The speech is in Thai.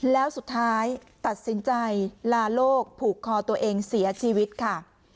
แล้วสุดท้ายตัดสินใจลาโลกผูกคอตัวเองเสียชีวิตค่ะ